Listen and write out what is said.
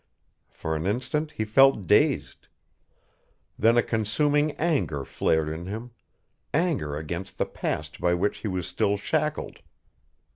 For an instant he felt dazed. Then a consuming anger flared in him, anger against the past by which he was still shackled.